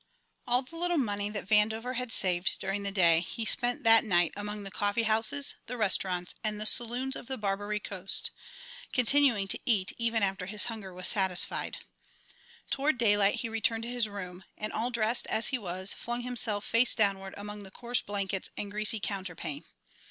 All the little money that Vandover had saved during the day he spent that night among the coffee houses, the restaurants, and the saloons of the Barbary Coast, continuing to eat even after his hunger was satisfied. Toward daylight he returned to his room, and all dressed as he was flung himself face downward among the coarse blankets and greasy counterpane.